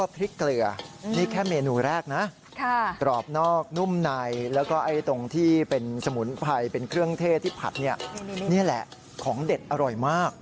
เพราะไอ้ตรงที่เป็นสมุนไพรเป็นเครื่องเทศที่ผัดนี่แหละของเด็ดอร่อยมาก